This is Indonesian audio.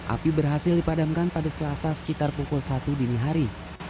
api berhasil dipadamkan pada selasa sekitar pukul satu dini hari